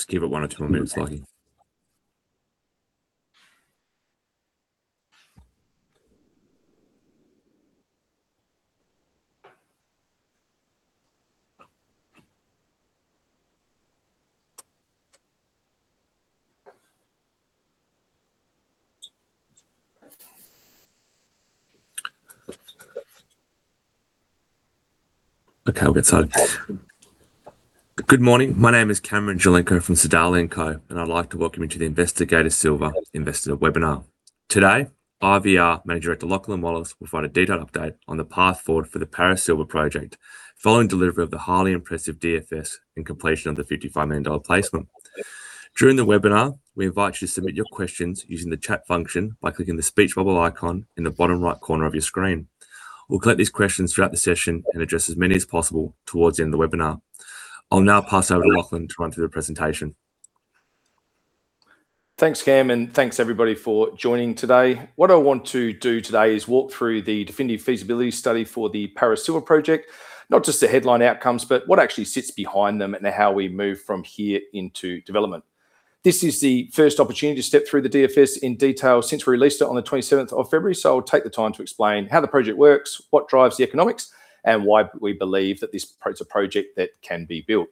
Let's give it one or two more minutes, Lachlan. Okay, we'll get started. Good morning. My name is Cameron Gilenko from Sodali & Co, and I'd like to welcome you to the Investigator Silver Investor Webinar. Today, IVR Managing Director Lachlan Wallace will provide a detailed update on the path forward for the Paris Silver Project following delivery of the highly impressive DFS and completion of the 55 million dollar placement. During the webinar, we invite you to submit your questions using the chat function by clicking the speech bubble icon in the bottom right corner of your screen. We'll collect these questions throughout the session and address as many as possible towards the end of the webinar. I'll now pass over to Lachlan to run through the presentation. Thanks, Cam, and thanks everybody for joining today. What I want to do today is walk through the Definitive Feasibility Study for the Paris Silver Project. Not just the headline outcomes, but what actually sits behind them and how we move from here into development. This is the first opportunity to step through the DFS in detail since we released it on the February 27th, so I'll take the time to explain how the project works, what drives the economics, and why we believe that this project's a project that can be built.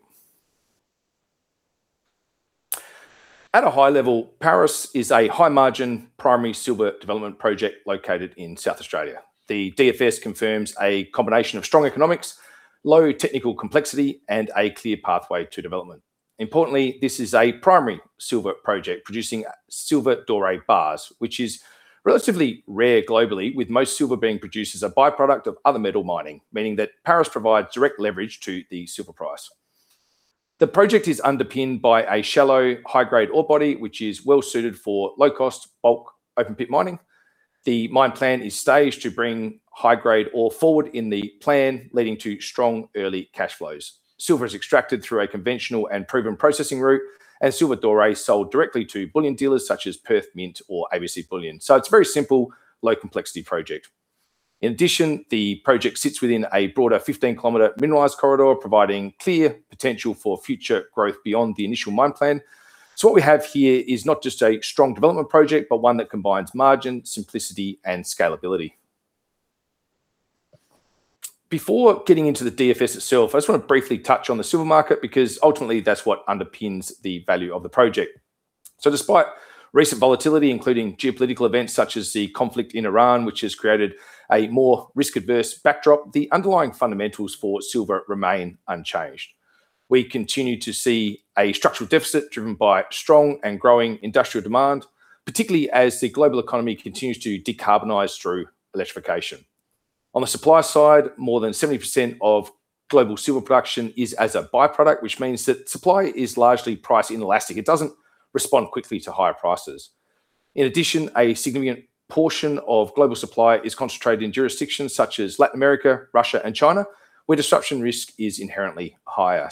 At a high level, Paris is a high margin primary silver development project located in South Australia. The DFS confirms a combination of strong economics, low technical complexity and a clear pathway to development. Importantly, this is a primary silver project producing silver doré bars, which is relatively rare globally, with most silver being produced as a by-product of other metal mining, meaning that Paris provides direct leverage to the silver price. The project is underpinned by a shallow high-grade ore body, which is well-suited for low-cost bulk open pit mining. The mine plan is staged to bring high-grade ore forward in the plan, leading to strong early cash flows. Silver is extracted through a conventional and proven processing route, and silver doré sold directly to bullion dealers such as Perth Mint or ABC Bullion. It's a very simple low complexity project. In addition, the project sits within a broader 15 km mineralized corridor, providing clear potential for future growth beyond the initial mine plan. What we have here is not just a strong development project, but one that combines margin, simplicity and scalability. Before getting into the DFS itself, I just want to briefly touch on the silver market because ultimately that's what underpins the value of the project. Despite recent volatility, including geopolitical events such as the conflict in Iran, which has created a more risk adverse backdrop, the underlying fundamentals for silver remain unchanged. We continue to see a structural deficit driven by strong and growing industrial demand, particularly as the global economy continues to decarbonize through electrification. On the supply side, more than 70% of global silver production is as a by-product, which means that supply is largely price inelastic. It doesn't respond quickly to higher prices. In addition, a significant portion of global supply is concentrated in jurisdictions such as Latin America, Russia and China, where disruption risk is inherently higher.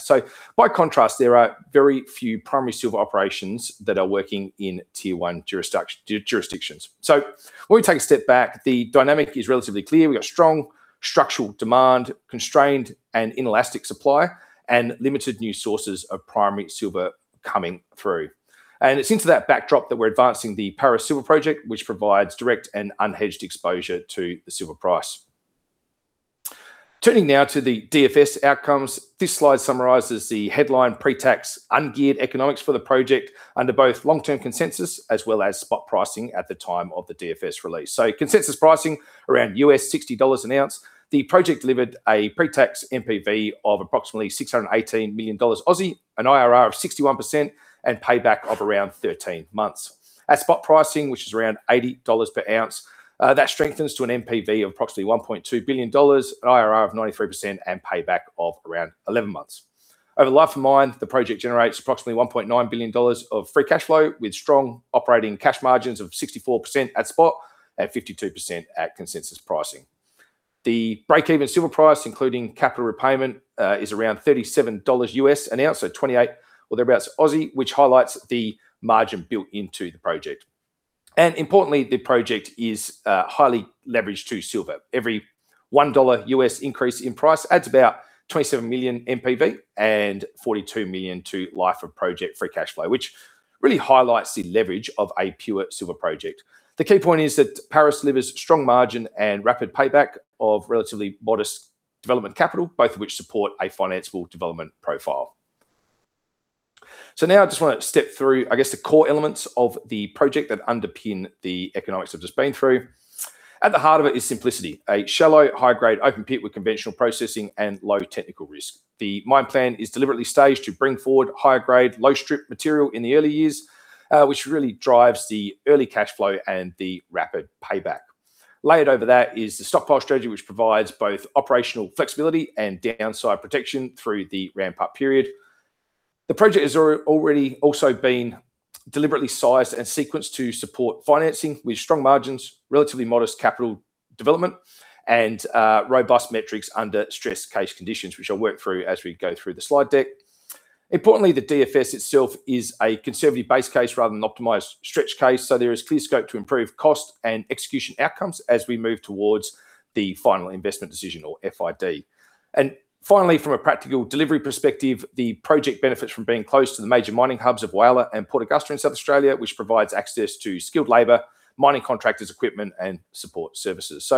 By contrast, there are very few primary silver operations that are working in Tier-1 jurisdictions. When we take a step back, the dynamic is relatively clear. We've got strong structural demand, constrained and inelastic supply, and limited new sources of primary silver coming through. It's into that backdrop that we're advancing the Paris Silver Project, which provides direct and unhedged exposure to the silver price. Turning now to the DFS outcomes. This slide summarizes the headline pre-tax ungeared economics for the project under both long-term consensus as well as spot pricing at the time of the DFS release. Consensus pricing around $60 an ounce. The project delivered a pre-tax NPV of approximately 618 million Aussie dollars, an IRR of 61% and payback of around 13 months. At spot pricing, which is around $80 per ounce, that strengthens to an NPV of approximately 1.2 billion dollars, an IRR of 93% and payback of around 11 months. Over the life of mine, the project generates approximately 1.9 billion dollars of free cash flow, with strong operating cash margins of 64% at spot and 52% at consensus pricing. The break-even silver price, including capital repayment, is around $37 an ounce, so 28 or thereabouts, which highlights the margin built into the project. Importantly, the project is highly leveraged to silver. Every $1 increase in price adds about 27 million NPV and 42 million to life of project free cash flow, which really highlights the leverage of a pure silver project. The key point is that Paris delivers strong margin and rapid payback of relatively modest development capital, both of which support a financeable development profile. Now I just want to step through, I guess, the core elements of the project that underpin the economics I've just been through. At the heart of it is simplicity. A shallow, high grade, open pit with conventional processing and low technical risk. The mine plan is deliberately staged to bring forward higher grade, low strip material in the early years, which really drives the early cash flow and the rapid payback. Layered over that is the stockpile strategy, which provides both operational flexibility and downside protection through the ramp-up period. The project has already also been deliberately sized and sequenced to support financing with strong margins, relatively modest capital development, and robust metrics under stress case conditions, which I'll work through as we go through the slide deck. Importantly, the DFS itself is a conservative base case rather than optimized stretch case, so there is clear scope to improve cost and execution outcomes as we move towards the final investment decision or FID. Finally, from a practical delivery perspective, the project benefits from being close to the major mining hubs of Whyalla and Port Augusta in South Australia, which provides access to skilled labor, mining contractors, equipment, and support services.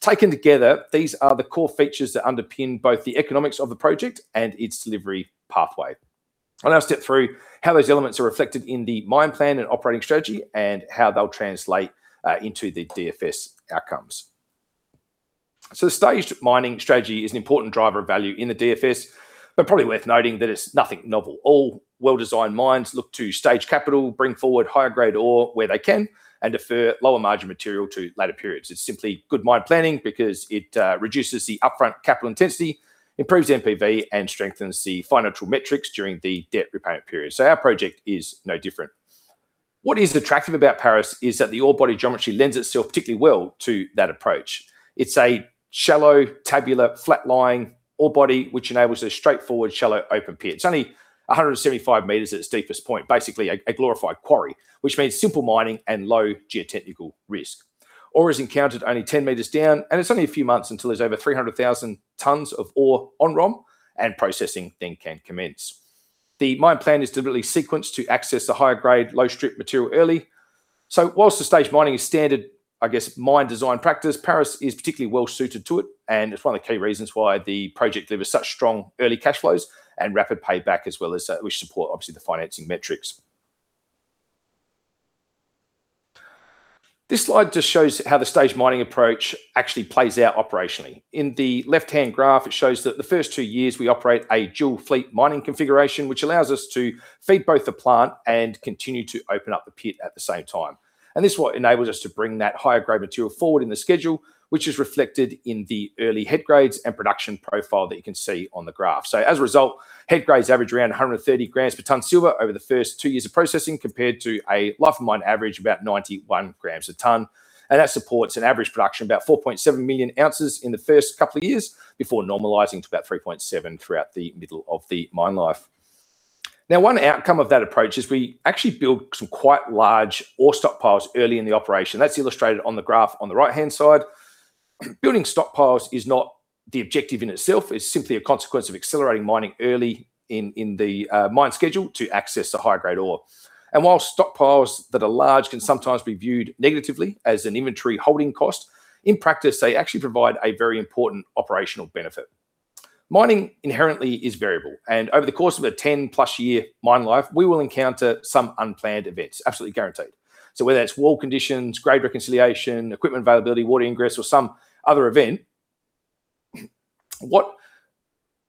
Taken together, these are the core features that underpin both the economics of the project and its delivery pathway. I'll now step through how those elements are reflected in the mine plan and operating strategy and how they'll translate into the DFS outcomes. The stage mining strategy is an important driver of value in the DFS, but probably worth noting that it's nothing novel. All well-designed mines look to stage capital, bring forward higher grade ore where they can, and defer lower margin material to later periods. It's simply good mine planning because it reduces the upfront capital intensity, improves NPV and strengthens the financial metrics during the debt repayment period. Our project is no different. What is attractive about Paris is that the ore body geometry lends itself particularly well to that approach. It's a shallow, tabular, flat-lying ore body, which enables a straightforward, shallow open pit. It's only 175 m at its deepest point. Basically a glorified quarry, which means simple mining and low geotechnical risk. Ore is encountered only 10 m down, and it's only a few months until there's over 300,000 tons of ore on ROM and processing then can commence. The mine plan is deliberately sequenced to access the higher grade, low strip material early. Whilst the stage mining is standard, I guess, mine design practice, Paris is particularly well-suited to it, and it's one of the key reasons why the project delivers such strong early cash flows and rapid payback, as well as, which support obviously the financing metrics. This slide just shows how the stage mining approach actually plays out operationally. In the left-hand graph, it shows that the first two years we operate a dual fleet mining configuration, which allows us to feed both the plant and continue to open up the pit at the same time. This is what enables us to bring that higher grade material forward in the schedule, which is reflected in the early head grades and production profile that you can see on the graph. As a result, head grades average around 130 g per ton silver over the first two years of processing, compared to a life of mine average about 91 g a ton. That supports an average production about 4.7 million oz in the first couple of years before normalizing to about 3.7 million oz throughout the middle of the mine life. Now, one outcome of that approach is we actually build some quite large ore stockpiles early in the operation. That's illustrated on the graph on the right-hand side. Building stockpiles is not the objective in itself, it's simply a consequence of accelerating mining early in the mine schedule to access the higher grade ore. While stockpiles that are large can sometimes be viewed negatively as an inventory holding cost, in practice, they actually provide a very important operational benefit. Mining inherently is variable, and over the course of a 10+ year mine life, we will encounter some unplanned events. Absolutely guaranteed. Whether that's wall conditions, grade reconciliation, equipment availability, water ingress, or some other event, what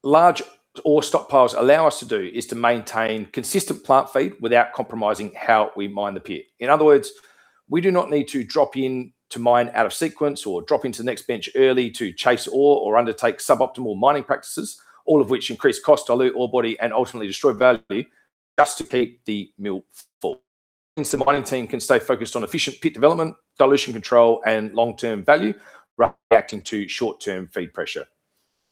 large ore stockpiles allow us to do is to maintain consistent plant feed without compromising how we mine the pit. In other words, we do not need to drop in to mine out of sequence or drop into the next bench early to chase ore or undertake suboptimal mining practices, all of which increase cost, dilute ore body and ultimately destroy value just to keep the mill full. Hence, the mining team can stay focused on efficient pit development, dilution control and long-term value, rather than reacting to short-term feed pressure.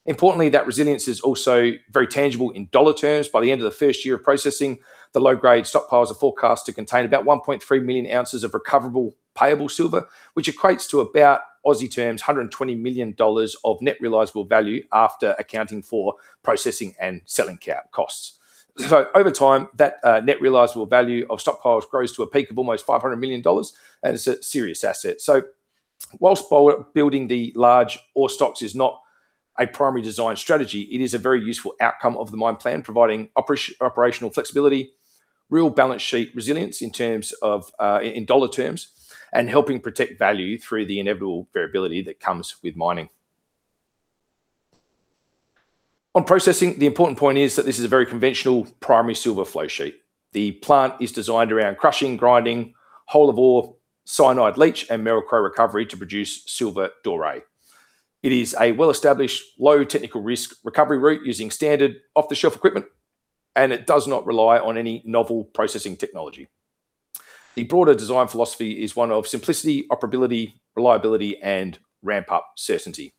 Importantly, that resilience is also very tangible in dollar terms. By the end of the first year of processing, the low-grade stockpiles are forecast to contain about 1.3 million oz of recoverable payable silver, which equates to about 120 million dollars of net realizable value after accounting for processing and selling costs. Over time, that net realizable value of stockpiles grows to a peak of almost 500 million dollars, and it's a serious asset. Whilst building the large ore stocks is not a primary design strategy, it is a very useful outcome of the mine plan, providing operational flexibility, real balance sheet resilience in terms of in dollar terms, and helping protect value through the inevitable variability that comes with mining. On processing, the important point is that this is a very conventional primary silver flow sheet. The plant is designed around crushing, grinding, whole of ore cyanide leach and Merrill-Crowe recovery to produce silver doré. It is a well-established, low technical risk recovery route using standard off-the-shelf equipment, and it does not rely on any novel processing technology. The broader design philosophy is one of simplicity, operability, reliability and ramp-up certainty.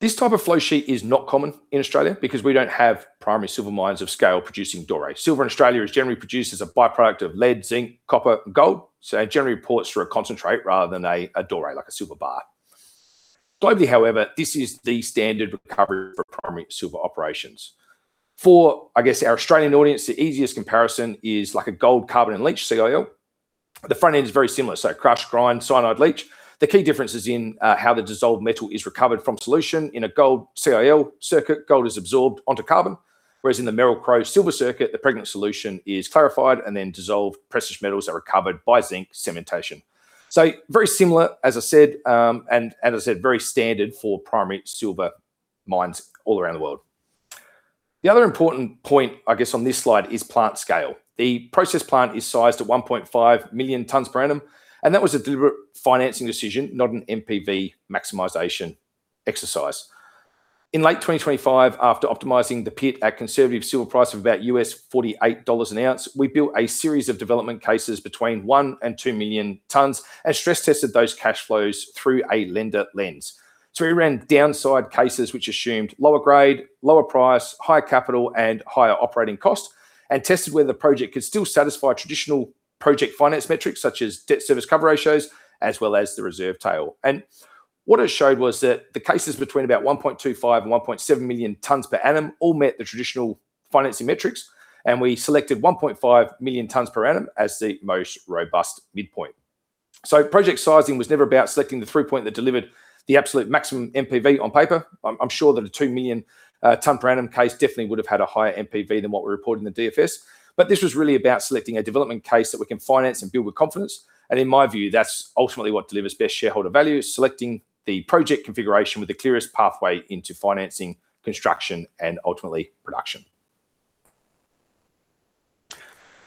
This type of flow sheet is not common in Australia because we don't have primary silver mines of scale producing doré. Silver in Australia is generally produced as a by-product of lead, zinc, copper and gold. It generally pours through a concentrate rather than a doré, like a silver bar. Globally, however, this is the standard recovery for primary silver operations. For, I guess, our Australian audience, the easiest comparison is like a gold carbon and leach, CIL. The front end is very similar, so crush, grind, cyanide leach. The key difference is in how the dissolved metal is recovered from solution. In a gold CIL circuit, gold is absorbed onto carbon, whereas in the Merrill-Crowe silver circuit, the pregnant solution is clarified and then dissolved precious metals are recovered by zinc cementation. Very similar, as I said, very standard for primary silver mines all around the world. The other important point, I guess, on this slide is plant scale. The process plant is sized at 1.5 million tons per annum, and that was a deliberate financing decision, not an NPV maximization exercise. In late 2025, after optimizing the pit at conservative silver price of about $48 an ounce, we built a series of development cases between 1,000,000 and 2,000,000 tons and stress tested those cash flows through a lender lens. We ran downside cases which assumed lower grade, lower price, higher capital and higher operating costs, and tested whether the project could still satisfy traditional project finance metrics such as debt service cover ratios, as well as the reserve tail. What it showed was that the cases between about 1.25 and 1.7 million tons per annum all met the traditional financing metrics, and we selected 1.5 million tons per annum as the most robust midpoint. Project sizing was never about selecting the throughput that delivered the absolute maximum NPV on paper. I'm sure that a 2,000,000 ton per annum case definitely would have had a higher NPV than what we report in the DFS. This was really about selecting a development case that we can finance and build with confidence. In my view, that's ultimately what delivers best shareholder value, is selecting the project configuration with the clearest pathway into financing, construction, and ultimately production.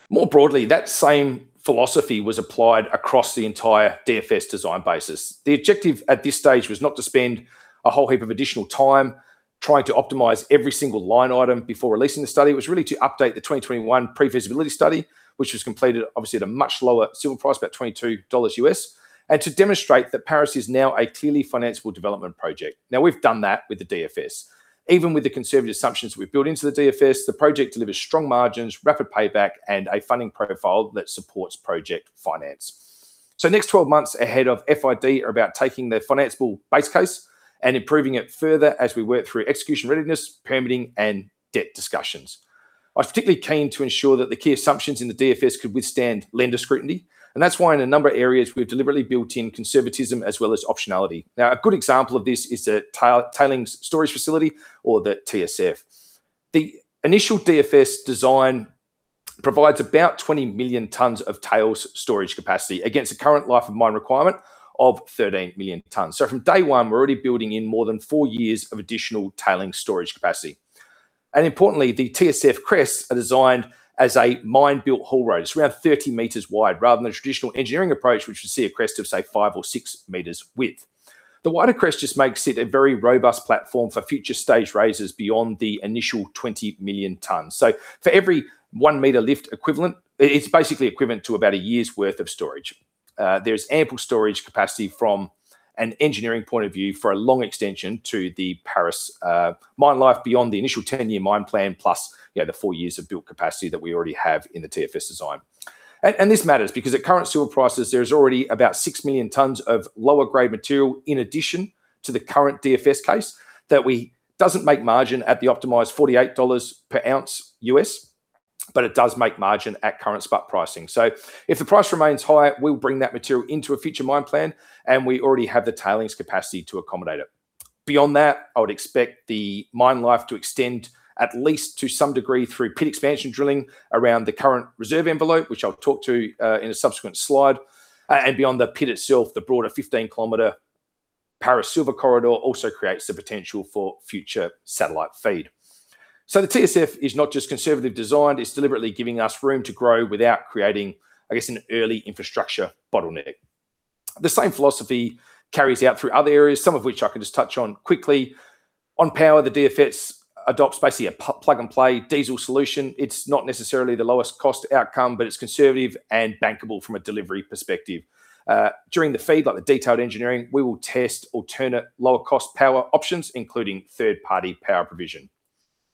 More broadly, that same philosophy was applied across the entire DFS design basis. The objective at this stage was not to spend a whole heap of additional time trying to optimize every single line item before releasing the study. It was really to update the 2021 pre-feasibility study, which was completed obviously at a much lower silver price, about $22, and to demonstrate that Paris is now a clearly financeable development project. Now, we've done that with the DFS. Even with the conservative assumptions we've built into the DFS, the project delivers strong margins, rapid payback, and a funding profile that supports project finance. Next 12 months ahead of FID are about taking the financeable base case and improving it further as we work through execution readiness, permitting, and debt discussions. I was particularly keen to ensure that the key assumptions in the DFS could withstand lender scrutiny, and that's why in a number of areas we've deliberately built in conservatism as well as optionality. Now, a good example of this is the tailings storage facility or the TSF. The initial DFS design provides about 20 million tons of tailings storage capacity against the current life of mine requirement of 13 million tons. From day one, we're already building in more than four years of additional tailings storage capacity. Importantly, the TSF crests are designed as a mine-built haul road. It's around 30 m wide, rather than a traditional engineering approach, which you see a crest of, say, 5 m or 6 m width. The wider crest just makes it a very robust platform for future stage raises beyond the initial 20 million tons. For every 1 m lift equivalent, it's basically equivalent to about a year's worth of storage. There's ample storage capacity from an engineering point of view for a long extension to the Paris mine life beyond the initial 10-year mine plan plus, you know, the four years of built capacity that we already have in the TSF design. This matters because at current silver prices, there's already about 6,000,000 tons of lower grade material in addition to the current DFS case that doesn't make margin at the optimized $48 per ounce, but it does make margin at current spot pricing. If the price remains higher, we'll bring that material into a future mine plan, and we already have the tailings capacity to accommodate it. Beyond that, I would expect the mine life to extend at least to some degree through pit expansion drilling around the current reserve envelope, which I'll talk to in a subsequent slide. Beyond the pit itself, the broader 15 km Paris Silver Corridor also creates the potential for future satellite feed. The TSF is not just conservatively designed, it's deliberately giving us room to grow without creating, I guess, an early infrastructure bottleneck. The same philosophy carries out through other areas, some of which I can just touch on quickly. On power, the DFS adopts basically a plug-and-play diesel solution. It's not necessarily the lowest cost outcome, but it's conservative and bankable from a delivery perspective. During the FEED, like the detailed engineering, we will test alternate lower cost power options, including third-party power provision.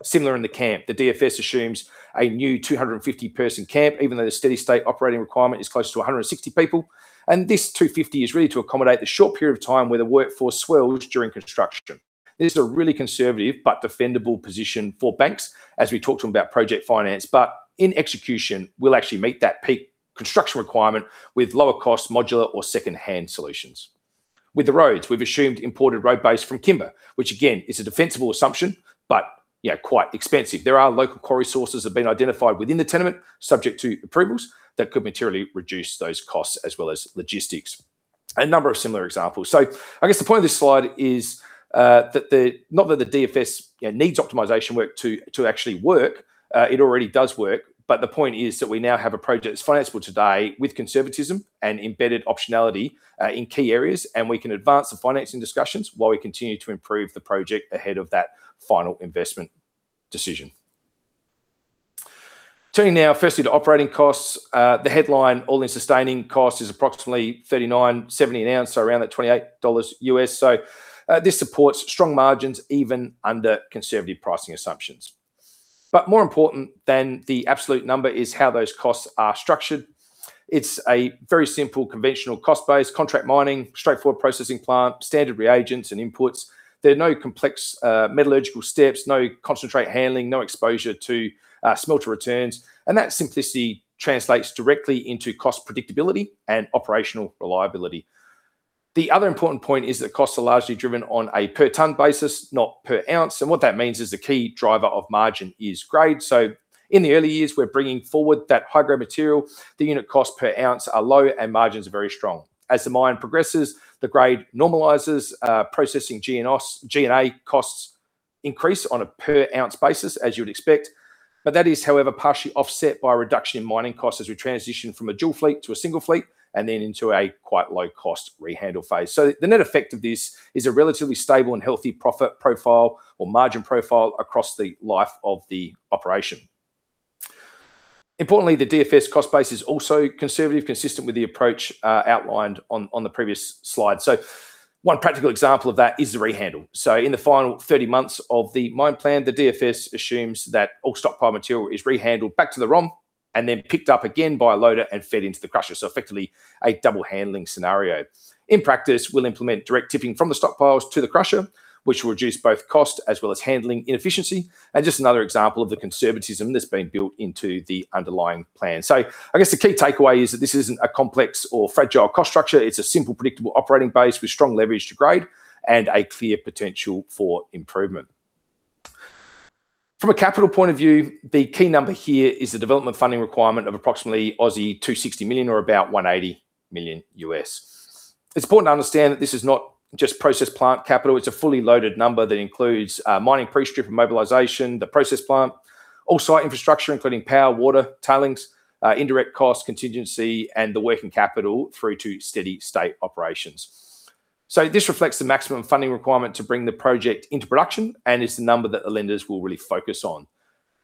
Similar in the camp, the DFS assumes a new 250-person camp, even though the steady-state operating requirement is closer to 160 people. This 250 is really to accommodate the short period of time where the workforce swells during construction. This is a really conservative but defensible position for banks as we talk to them about project finance. In execution, we'll actually meet that peak construction requirement with lower cost modular or second-hand solutions. With the roads, we've assumed imported road base from Kimba, which again, is a defensible assumption, but, you know, quite expensive. There are local quarry sources that have been identified within the tenement subject to approvals that could materially reduce those costs as well as logistics. A number of similar examples. I guess the point of this slide is not that the DFS, you know, needs optimization work to actually work, it already does work. The point is that we now have a project that's financeable today with conservatism and embedded optionality in key areas, and we can advance the financing discussions while we continue to improve the project ahead of that final investment decision. Turning now firstly to operating costs. The headline, all-in sustaining cost is approximately 39.70 an ounce, so around that $28. This supports strong margins even under conservative pricing assumptions. More important than the absolute number is how those costs are structured. It's a very simple conventional cost base, contract mining, straightforward processing plant, standard reagents and inputs. There are no complex, metallurgical steps, no concentrate handling, no exposure to, smelter returns. That simplicity translates directly into cost predictability and operational reliability. The other important point is that costs are largely driven on a per ton basis, not per ounce, and what that means is the key driver of margin is grade. In the early years, we're bringing forward that high-grade material. The unit cost per ounce are low and margins are very strong. As the mine progresses, the grade normalizes, processing G&A costs increase on a per ounce basis, as you would expect. That is, however, partially offset by a reduction in mining costs as we transition from a dual fleet to a single fleet and then into a quite low-cost rehandle phase. The net effect of this is a relatively stable and healthy profit profile or margin profile across the life of the operation. Importantly, the DFS cost base is also conservative, consistent with the approach outlined on the previous slide. One practical example of that is the rehandle. In the final 30 months of the mine plan, the DFS assumes that all stockpile material is rehandled back to the ROM and then picked up again by a loader and fed into the crusher, effectively a double-handling scenario. In practice, we'll implement direct tipping from the stockpiles to the crusher, which will reduce both cost as well as handling inefficiency, and just another example of the conservatism that's been built into the underlying plan. I guess the key takeaway is that this isn't a complex or fragile cost structure. It's a simple, predictable operating base with strong leverage to grade and a clear potential for improvement. From a capital point of view, the key number here is the development funding requirement of approximately 260 million or about $180 million. It's important to understand that this is not just process plant capital, it's a fully loaded number that includes, mining pre-strip and mobilization, the process plant, all site infrastructure, including power, water, tailings, indirect costs, contingency, and the working capital through to steady state operations. This reflects the maximum funding requirement to bring the project into production and is the number that the lenders will really focus on.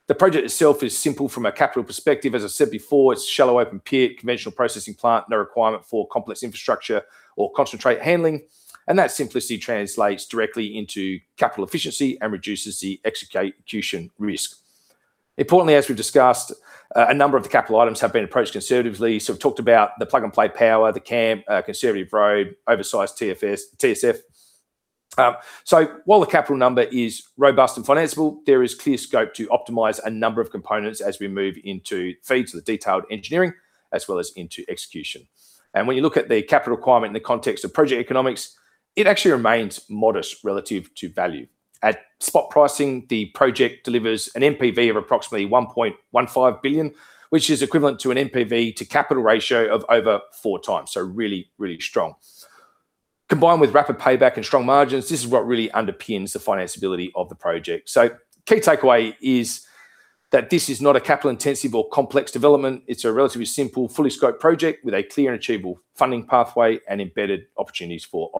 The project itself is simple from a capital perspective. As I said before, it's shallow open pit, conventional processing plant, no requirement for complex infrastructure or concentrate handling, and that simplicity translates directly into capital efficiency and reduces the execution risk. Importantly, as we've discussed, a number of the capital items have been approached conservatively. We've talked about the plug-and-play power, the camp, conservative road, oversized TSF. While the capital number is robust and financeable, there is clear scope to optimize a number of components as we move into FEED, the detailed engineering, as well as into execution. When you look at the capital requirement in the context of project economics, it actually remains modest relative to value. At spot pricing, the project delivers an NPV of approximately 1.15 billion, which is equivalent to an NPV to capital ratio of over 4x. Really, really strong. Combined with rapid payback and strong margins, this is what really underpins the financeability of the project. Key takeaway is that this is not a capital-intensive or complex development. It's a relatively simple, fully scoped project with a clear and achievable funding pathway and embedded opportunities for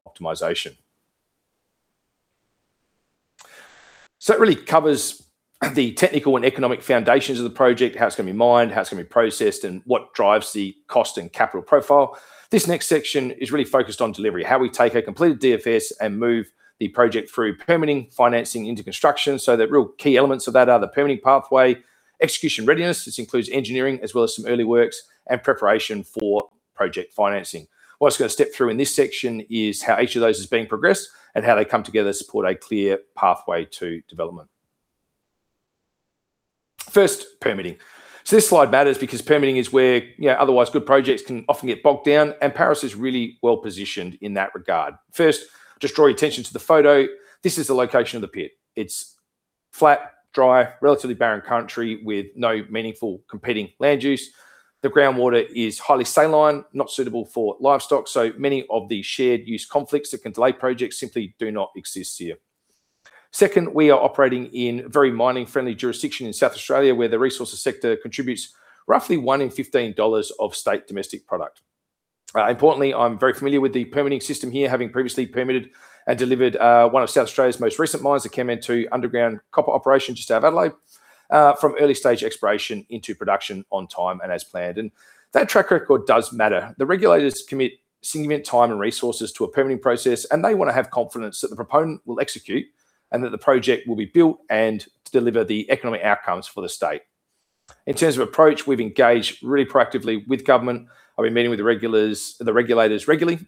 optimization. It really covers the technical and economic foundations of the project, how it's going to be mined, how it's going to be processed, and what drives the cost and capital profile. This next section is really focused on delivery, how we take a completed DFS and move the project through permitting, financing into construction. The real key elements of that are the permitting pathway, execution readiness. This includes engineering as well as some early works and preparation for project financing. What I'm just going to step through in this section is how each of those is being progressed and how they come together to support a clear pathway to development. First, permitting. This slide matters because permitting is where, you know, otherwise good projects can often get bogged down, and Paris is really well-positioned in that regard. First, just draw your attention to the photo. This is the location of the pit. It's flat, dry, relatively barren country with no meaningful competing land use. The groundwater is highly saline, not suitable for livestock, so many of the shared use conflicts that can delay projects simply do not exist here. Second, we are operating in very mining-friendly jurisdiction in South Australia, where the resources sector contributes roughly one in 15 dollars of gross state product. Importantly, I'm very familiar with the permitting system here, having previously permitted and delivered one of South Australia's most recent mines that came into underground copper operation just out of Adelaide from early stage exploration into production on time and as planned. That track record does matter. The regulators commit significant time and resources to a permitting process, and they want to have confidence that the proponent will execute and that the project will be built and deliver the economic outcomes for the state. In terms of approach, we've engaged really proactively with government. I've been meeting with the regulators regularly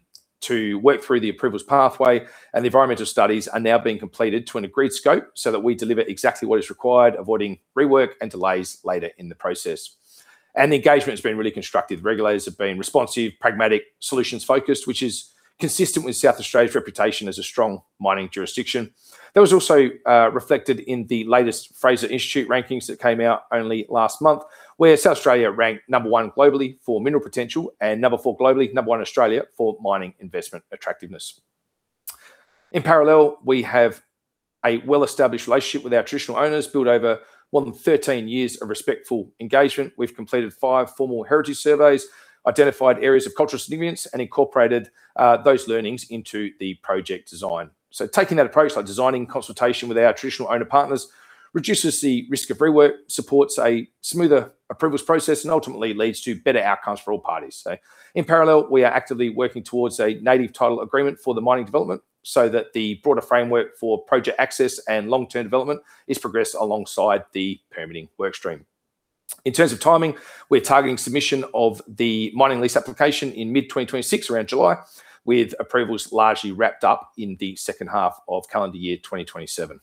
to work through the approvals pathway, and the environmental studies are now being completed to an agreed scope so that we deliver exactly what is required, avoiding rework and delays later in the process. The engagement has been really constructive. Regulators have been responsive, pragmatic, solutions-focused, which is consistent with South Australia's reputation as a strong mining jurisdiction. That was also reflected in the latest Fraser Institute rankings that came out only last month, where South Australia ranked number one globally for mineral potential and number four globally, number onr in Australia for mining investment attractiveness. In parallel, we have a well-established relationship with our traditional owners, built over more than 13 years of respectful engagement. We've completed five formal heritage surveys, identified areas of cultural significance, and incorporated those learnings into the project design. Taking that approach, like designing consultation with our traditional owner partners, reduces the risk of rework, supports a smoother approvals process, and ultimately leads to better outcomes for all parties. In parallel, we are actively working towards a Native Title agreement for the mining development so that the broader framework for project access and long-term development is progressed alongside the permitting work stream. In terms of timing, we're targeting submission of the mining lease application in mid-2026, around July, with approvals largely wrapped up in the second half of calendar year 2027.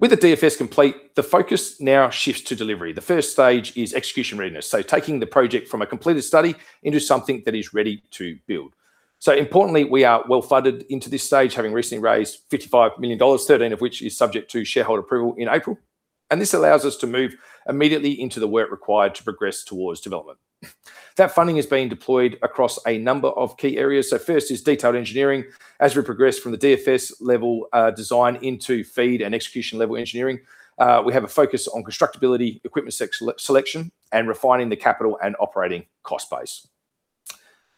With the DFS complete, the focus now shifts to delivery. The first stage is execution readiness, so taking the project from a completed study into something that is ready to build. Importantly, we are well-funded into this stage, having recently raised 55 million dollars, 13 million of which is subject to shareholder approval in April. This allows us to move immediately into the work required to progress towards development. That funding is being deployed across a number of key areas. First is detailed engineering. As we progress from the DFS level, design into FEED and execution level engineering, we have a focus on constructability, equipment selection, and refining the capital and operating cost base.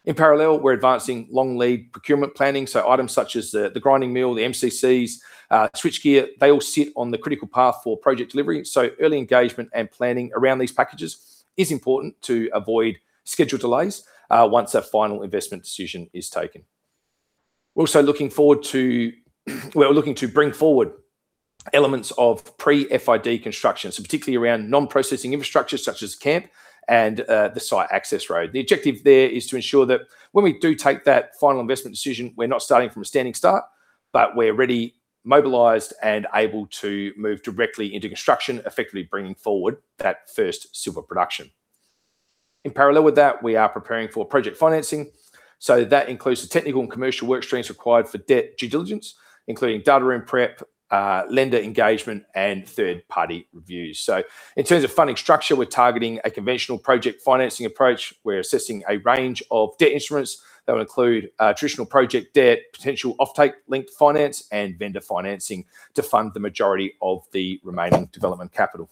In parallel, we're advancing long lead procurement planning, so items such as the grinding mill, the MCCs, switchgear, they all sit on the critical path for project delivery. Early engagement and planning around these packages is important to avoid schedule delays, once that final investment decision is taken. We're also looking to bring forward elements of pre-FID construction, so particularly around non-processing infrastructure such as camp and the site access road. The objective there is to ensure that when we do take that final investment decision, we're not starting from a standing start, but we're already mobilized and able to move directly into construction, effectively bringing forward that first silver production. In parallel with that, we are preparing for project financing, so that includes the technical and commercial work streams required for debt due diligence, including data room prep, lender engagement, and third-party reviews. In terms of funding structure, we're targeting a conventional project financing approach. We're assessing a range of debt instruments that will include traditional project debt, potential offtake-linked finance, and vendor financing to fund the majority of the remaining development capital.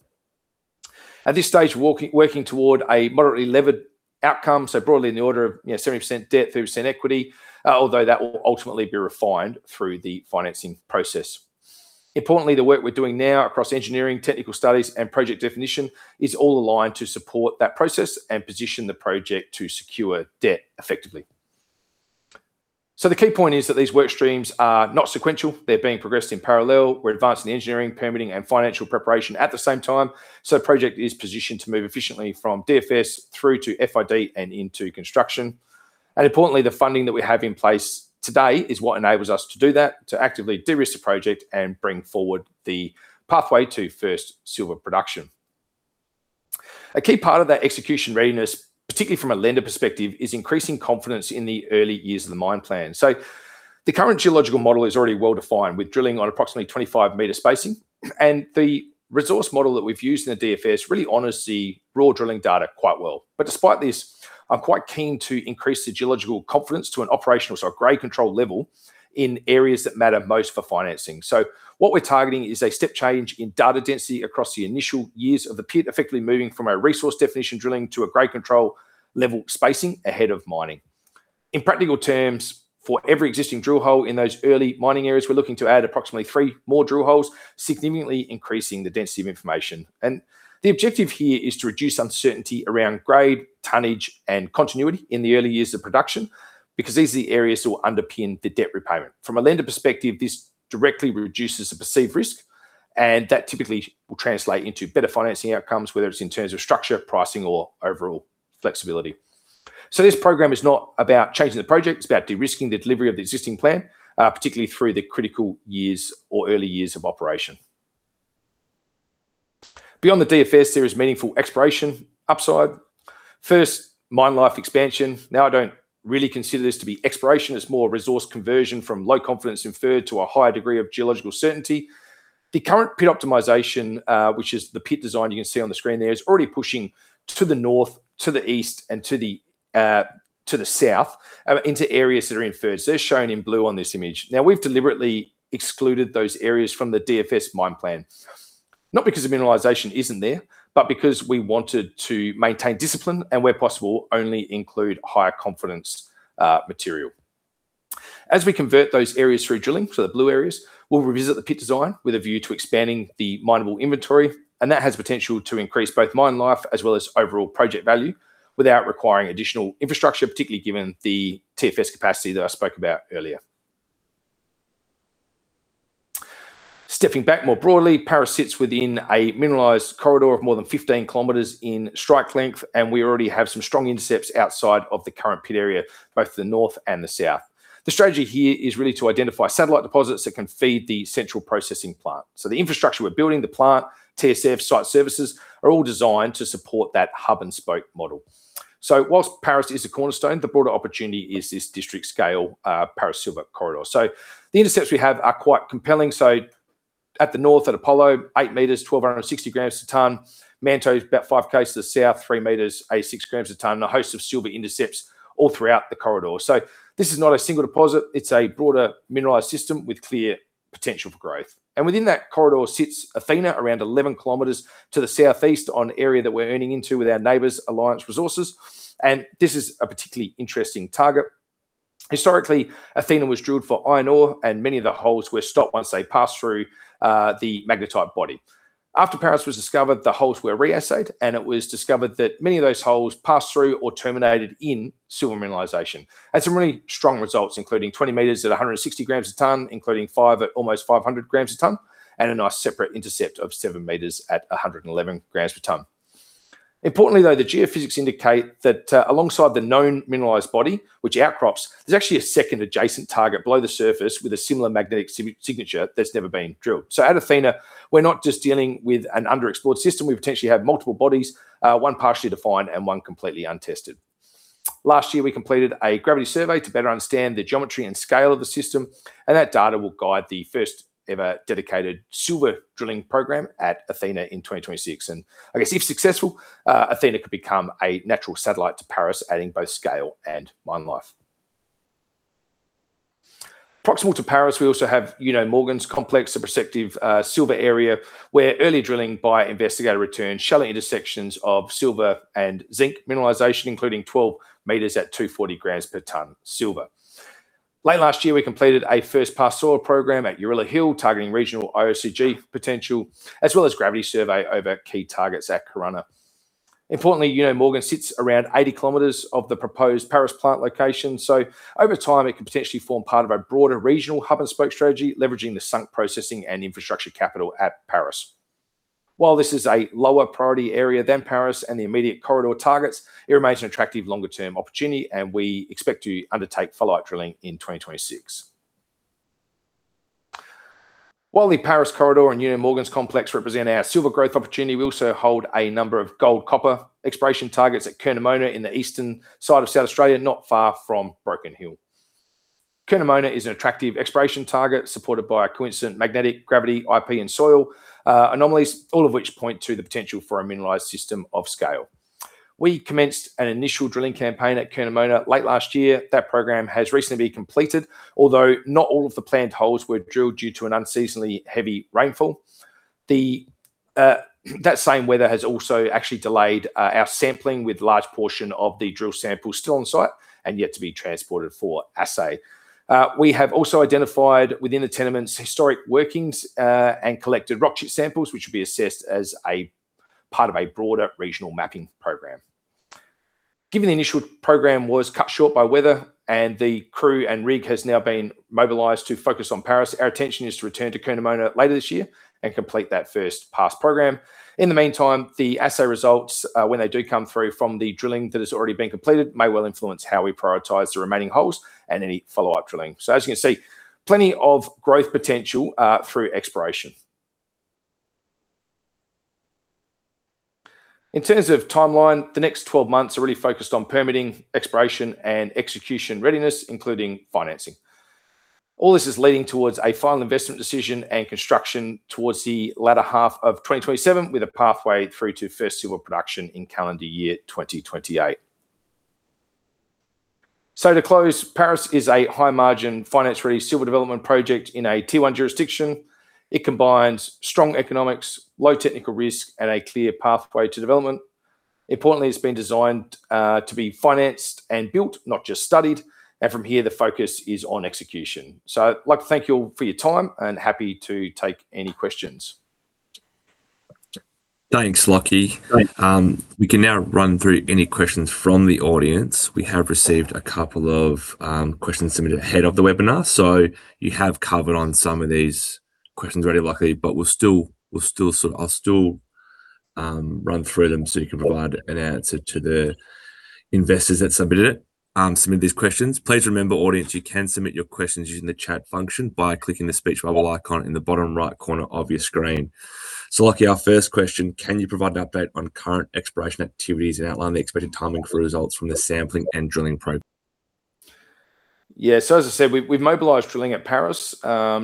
At this stage, working toward a moderately levered outcome, so broadly in the order of, you know, 70% debt, 30% equity, although that will ultimately be refined through the financing process. Importantly, the work we're doing now across engineering, technical studies, and project definition is all aligned to support that process and position the project to secure debt effectively. The key point is that these work streams are not sequential. They're being progressed in parallel. We're advancing the engineering, permitting, and financial preparation at the same time, so the project is positioned to move efficiently from DFS through to FID and into construction. Importantly, the funding that we have in place today is what enables us to do that, to actively de-risk the project and bring forward the pathway to irst silver production. A key part of that execution readiness, particularly from a lender perspective, is increasing confidence in the early years of the mine plan. The current geological model is already well-defined with drilling on approximately 25 m spacing, and the resource model that we've used in the DFS really honors the raw drilling data quite well. Despite this, I'm quite keen to increase the geological confidence to an operational, so a grade control level, in areas that matter most for financing. What we're targeting is a step change in data density across the initial years of the pit, effectively moving from a resource definition drilling to a grade control level spacing ahead of mining. In practical terms, for every existing drill hole in those early mining areas, we're looking to add approximately three more drill holes, significantly increasing the density of information. The objective here is to reduce uncertainty around grade, tonnage, and continuity in the early years of production, because these are the areas that will underpin the debt repayment. From a lender perspective, this directly reduces the perceived risk, and that typically will translate into better financing outcomes, whether it's in terms of structure, pricing, or overall flexibility. This program is not about changing the project, it's about de-risking the delivery of the existing plan, particularly through the critical years or early years of operation. Beyond the DFS, there is meaningful exploration upside. First, mine life expansion. Now, I don't really consider this to be exploration. It's more resource conversion from low confidence inferred to a higher degree of geological certainty. The current pit optimization, which is the pit design you can see on the screen there, is already pushing to the north, to the east, and to the south, into areas that are inferred. They're shown in blue on this image. Now, we've deliberately excluded those areas from the DFS mine plan, not because the mineralization isn't there, but because we wanted to maintain discipline and where possible, only include higher confidence material. As we convert those areas through drilling, so the blue areas, we'll revisit the pit design with a view to expanding the mineable inventory, and that has potential to increase both mine life as well as overall project value without requiring additional infrastructure, particularly given the TSF capacity that I spoke about earlier. Stepping back more broadly, Paris sits within a mineralized corridor of more than 15 km in strike length, and we already have some strong intercepts outside of the current pit area, both the north and the south. The strategy here is really to identify satellite deposits that can feed the central processing plant. The infrastructure we're building, the plant, TSF, site services, are all designed to support that hub-and-spoke model. While Paris is a cornerstone, the broader opportunity is this district-scale Paris Silver Corridor. The intercepts we have are quite compelling. At the north, at Apollo, 8 m, 1,260 g a tonne. Manto about 5 km to the south, 3 m, 86 g a tonne. A host of silver intercepts all throughout the corridor. This is not a single deposit. It's a broader mineralized system with clear potential for growth. Within that corridor sits Athena, around 11 km to the southeast on an area that we're earning into with our neighbors, Alliance Resources. This is a particularly interesting target. Historically, Athena was drilled for iron ore, and many of the holes were stopped once they passed through the magnetite body. After Paris was discovered, the holes were re-assayed, and it was discovered that many of those holes passed through or terminated in silver mineralization. Had some really strong results, including 20 m at 160 g per tonne, including 5 m at almost 500 g per tonne, and a nice separate intercept of 7 m at 111 g per tonne. Importantly, though, the geophysics indicate that alongside the known mineralized body, which outcrops, there's actually a second adjacent target below the surface with a similar magnetic signature that's never been drilled. At Athena, we're not just dealing with an underexplored system. We potentially have multiple bodies, one partially defined and one completely untested. Last year, we completed a gravity survey to better understand the geometry and scale of the system, and that data will guide the first ever dedicated silver drilling program at Athena in 2026. I guess if successful, Athena could become a natural satellite to Paris, adding both scale and mine life. Proximal to Paris, we also have, you know, Morgans Complex, a prospective silver area where early drilling by Investigator returned shallow intersections of silver and zinc mineralization, including 12 m at 240 g per tonne silver. Late last year, we completed a first pass soil program at Eurilla Hill, targeting regional IOCG potential, as well as gravity survey over key targets at Corunna. Importantly, you know, Morgans sits around 80 km of the proposed Paris plant location. Over time, it could potentially form part of our broader regional hub-and-spoke strategy, leveraging the sunk processing and infrastructure capital at Paris. While this is a lower priority area than Paris and the immediate corridor targets, it remains an attractive longer-term opportunity, and we expect to undertake follow-up drilling in 2026. While the Paris Corridor and Uno Morgans complex represent our silver growth opportunity, we also hold a number of gold, copper exploration targets at Curnamona in the eastern side of South Australia, not far from Broken Hill. Curnamona is an attractive exploration target supported by a coincident magnetic gravity IP and soil anomalies, all of which point to the potential for a mineralized system of scale. We commenced an initial drilling campaign at Curnamona late last year. That program has recently been completed, although not all of the planned holes were drilled due to an unseasonably heavy rainfall. That same weather has also actually delayed our sampling with large portion of the drill samples still on site and yet to be transported for assay. We have also identified within the tenements historic workings and collected rock chip samples, which will be assessed as a part of a broader regional mapping program. Given the initial program was cut short by weather and the crew and rig has now been mobilized to focus on Paris, our attention is to return to Curnamona later this year and complete that first pass program. In the meantime, the assay results, when they do come through from the drilling that has already been completed, may well influence how we prioritize the remaining holes and any follow-up drilling. As you can see, plenty of growth potential through exploration. In terms of timeline, the next 12 months are really focused on permitting, exploration, and execution readiness, including financing. All this is leading towards a final investment decision and construction towards the latter half of 2027, with a pathway through to first silver production in calendar year 2028. To close, Paris is a high margin finance-ready silver development project in a Tier-1 jurisdiction. It combines strong economics, low technical risk, and a clear pathway to development. Importantly, it's been designed to be financed and built, not just studied, and from here the focus is on execution. I'd like to thank you all for your time and happy to take any questions. Thanks, Lachie. Great. We can now run through any questions from the audience. We have received a couple of questions submitted ahead of the webinar. You have covered some of these questions already, Lachie, but we'll still run through them so you can provide an answer to the investors that submitted these questions. Please remember, audience, you can submit your questions using the chat function by clicking the speech bubble icon in the bottom right corner of your screen. Lachie, our first question, can you provide an update on current exploration activities and outline the expected timing for results from the sampling and drilling program? As I said, we've mobilized drilling at Paris.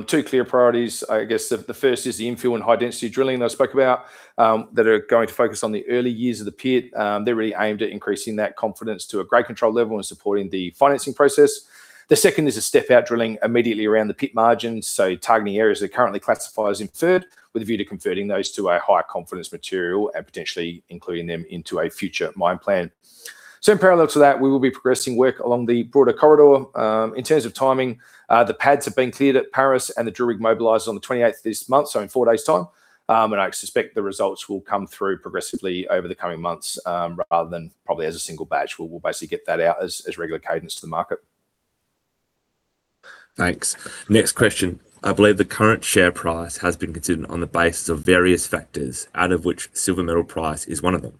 Two clear priorities, I guess the first is the infill and high density drilling that I spoke about that are going to focus on the early years of the pit. They're really aimed at increasing that confidence to a grade control level and supporting the financing process. The second is a step-out drilling immediately around the pit margins, so targeting areas that currently classify as inferred with a view to converting those to a higher confidence material and potentially including them into a future mine plan. In parallel to that, we will be progressing work along the broader corridor. In terms of timing, the pads have been cleared at Paris and the drill rig mobilized on the 28th of this month, so in four days' time. I suspect the results will come through progressively over the coming months, rather than probably as a single batch. We'll basically get that out as regular cadence to the market. Thanks. Next question. I believe the current share price has been considered on the basis of various factors, out of which silver metal price is one of them.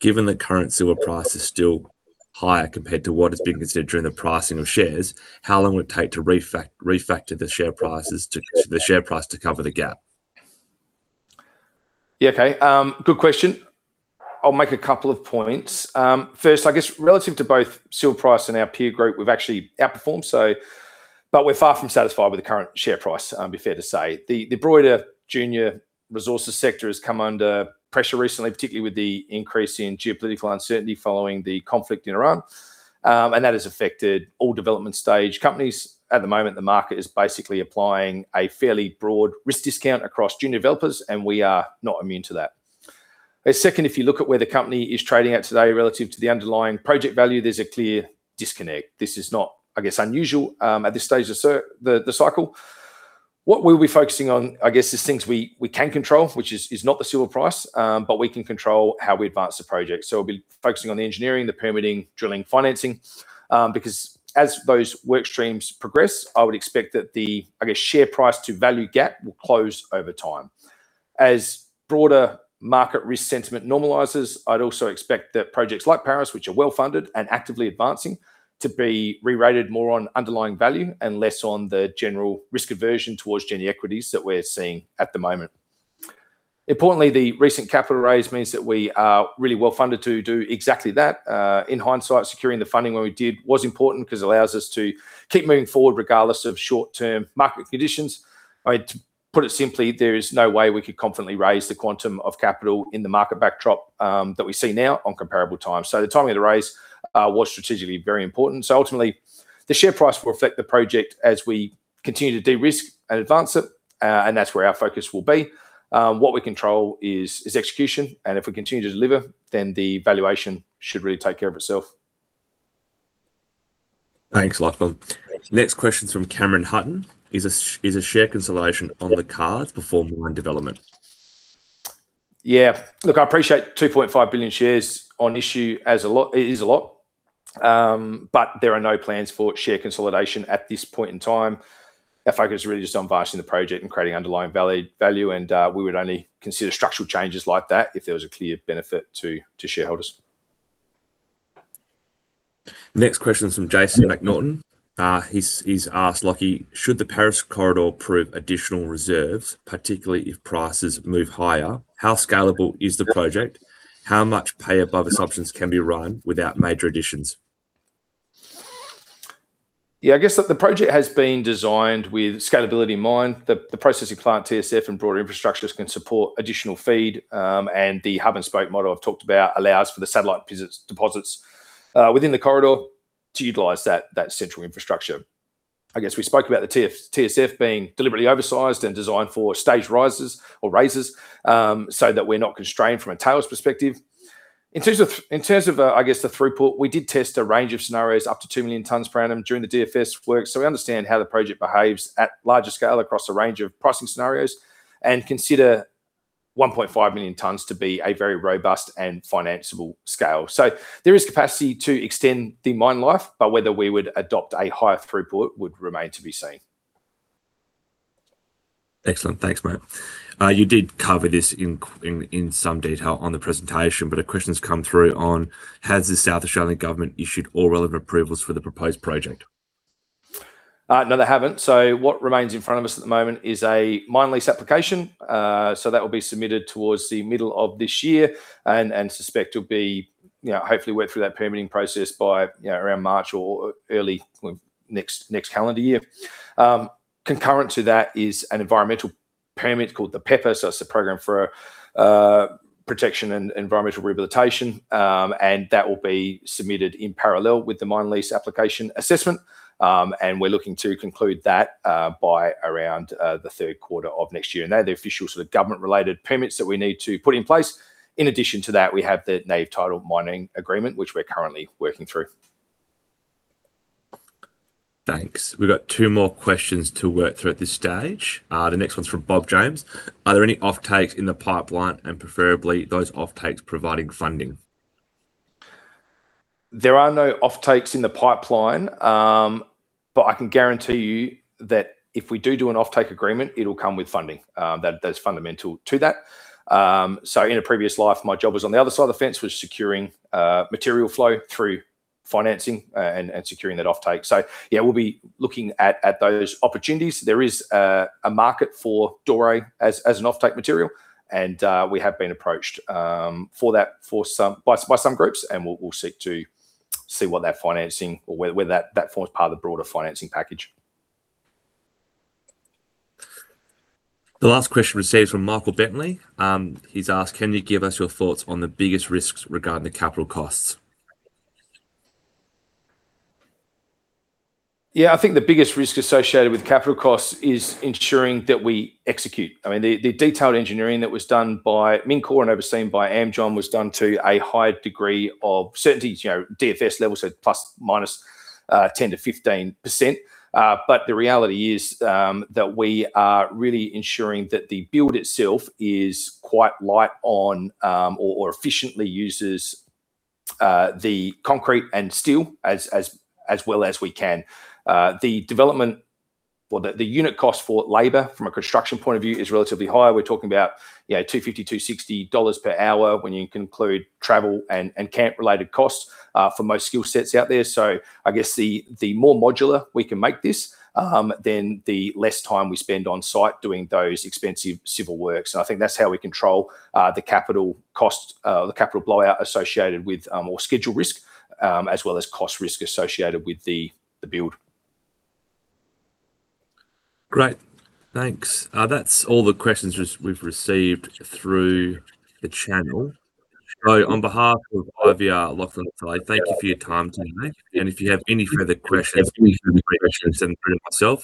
Given the current silver price is still higher compared to what is being considered during the pricing of shares, how long will it take to refactor the share price to cover the gap? Yeah. Okay. Good question. I'll make a couple of points. First, I guess relative to both silver price and our peer group, we've actually outperformed. We're far from satisfied with the current share price, to be fair to say. The broader junior resources sector has come under pressure recently, particularly with the increase in geopolitical uncertainty following the conflict in Iran. That has affected all development stage companies. At the moment, the market is basically applying a fairly broad risk discount across junior developers, and we are not immune to that. Second, if you look at where the company is trading at today relative to the underlying project value, there's a clear disconnect. This is not, I guess, unusual at this stage of the cycle. What we'll be focusing on, I guess, is things we can control, which is not the silver price, but we can control how we advance the project. We'll be focusing on the engineering, the permitting, drilling, financing, because as those work streams progress, I would expect that the, I guess, share price to value gap will close over time. As broader market risk sentiment normalizes, I'd also expect that projects like Paris, which are well-funded and actively advancing, to be rerated more on underlying value and less on the general risk aversion towards junior equities that we're seeing at the moment. Importantly, the recent capital raise means that we are really well funded to do exactly that. In hindsight, securing the funding when we did was important 'cause it allows us to keep moving forward regardless of short-term market conditions. To put it simply, there is no way we could confidently raise the quantum of capital in the market backdrop that we see now on comparable time. The timing of the raise was strategically very important. Ultimately, the share price will affect the project as we continue to de-risk and advance it. That's where our focus will be. What we control is execution, and if we continue to deliver, then the valuation should really take care of itself. Thanks, Lachlan. Next question's from Cameron Hutton. "Is a share consolidation on the cards before mine development? Yeah. Look, I appreciate 2.5 billion shares on issue as a lot. It is a lot. There are no plans for share consolidation at this point in time. Our focus is really just on advancing the project and creating underlying value, and we would only consider structural changes like that if there was a clear benefit to shareholders. Next question's from Jason McNaughton. He's asked, "Lachie, should the Paris Corridor prove additional reserves, particularly if prices move higher, how scalable is the project? How much pay above assumptions can be run without major additions? Yeah, I guess the project has been designed with scalability in mind. The processing plant TSF and broader infrastructures can support additional feed. The hub and spoke model I've talked about allows for the satellite deposits within the corridor to utilize that central infrastructure. I guess we spoke about the TSF being deliberately oversized and designed for stage raises, so that we're not constrained from a tails perspective. In terms of the throughput, we did test a range of scenarios up to 2,000,000 tons per annum during the DFS work, so we understand how the project behaves at larger scale across a range of pricing scenarios, and consider 1.5 million tons to be a very robust and financiable scale. There is capacity to extend the mine life, but whether we would adopt a higher throughput would remain to be seen. Excellent. Thanks, mate. You did cover this in some detail on the presentation, but a question's come through on, "Has the South Australian Government issued all relevant approvals for the proposed project? No, they haven't. What remains in front of us at the moment is a mine lease application. That will be submitted towards the middle of this year and suspect will be, you know, hopefully work through that permitting process by, you know, around March or early kind of next calendar year. Concurrent to that is an environmental permit called the PEPR, so that's the Program for Protection and Environmental Rehabilitation, and that will be submitted in parallel with the mine lease application assessment. We're looking to conclude that by around the third quarter of next year. They're the official sort of government-related permits that we need to put in place. In addition to that, we have the Native Title Mining Agreement, which we're currently working through. Thanks. We've got two more questions to work through at this stage. The next one's from Bob James. "Are there any offtakes in the pipeline and preferably those offtakes providing funding? There are no offtakes in the pipeline. I can guarantee you that if we do an offtake agreement, it'll come with funding. That's fundamental to that. In a previous life, my job was on the other side of the fence, securing material flow through financing, and securing that offtake. Yeah, we'll be looking at those opportunities. There is a market for doré as an offtake material, and we have been approached for that by some groups, and we'll seek to see what that financing or whether that forms part of the broader financing package. The last question received is from Michael Bentley. He's asked, "Can you give us your thoughts on the biggest risks regarding the capital costs?" Yeah. I think the biggest risk associated with capital costs is ensuring that we execute. I mean, the detailed engineering that was done by Mincore and overseen by MinAssist was done to a high degree of certainty, you know, DFS level, so ±10%-15%. The reality is that we are really ensuring that the build itself is quite light on or efficiently uses the concrete and steel as well as we can. The development or the unit cost for labor from a construction point of view is relatively high. We're talking about, you know, 250-260 dollars per hour when you include travel and camp-related costs for most skill sets out there. I guess the more modular we can make this, then the less time we spend on site doing those expensive civil works. I think that's how we control the capital costs, the capital blowout associated with or schedule risk, as well as cost risk associated with the build. Great. Thanks. That's all the questions we've received through the channel. On behalf of IVR, Lachlan Wallace, thank you for your time tonight. If you have any further questions, send them through to myself.